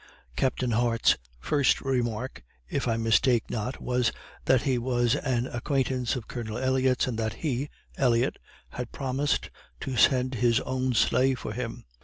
Captain Hart's first remark, if I mistake not, was, that he was an acquaintance of Colonel Elliott's, and that he (Elliott) had promised to send his own sleigh for him.